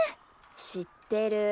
知ってる。